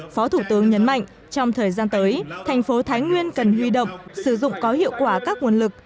phó thủ tướng nhấn mạnh trong thời gian tới thành phố thái nguyên cần huy động sử dụng có hiệu quả các nguồn lực